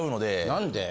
何で？